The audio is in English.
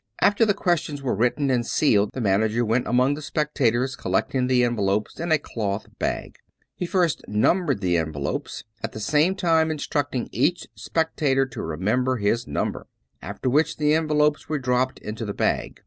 After the questions were written and sealed, the manager went among the spectators collecting the en velopes in a cloth bag. He first numbered the envelopes, at the same time instructing each spectator to remember his number, after which the envelopes were dropped into the bag.